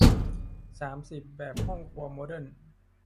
สิบสาม แบบห้องครัวโมเดิร์น